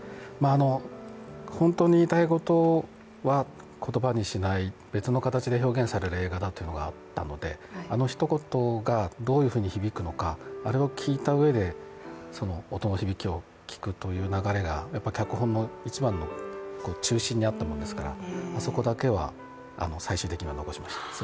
本当に言いたいことは言葉にしない、別の形で表現されるという言葉があったので、あの一言がどういうふうに響くのか、あれを聞いたうえで、音の響きを聞くというのが脚本の一番の中心にあったものですからそこだけは最終的に悩みました。